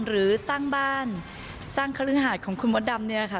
หรือสร้างบ้านสร้างคฤหาดของคุณมดดำนี่แหละค่ะ